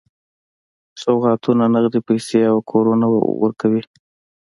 سوغاتونه، نغدي پیسې او کورونه ورکوي.